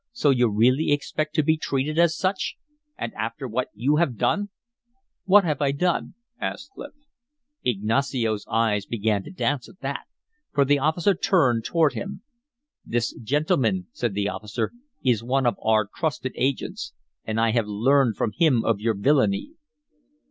"So you really expect to be treated as such and after what you have done!" "What have I done?" asked Clif. Ignacio's eyes began to dance at that; for the officer turned toward him. "This gentleman," said the officer, "is one of our trusted agents. And I have learned from him of your villainy."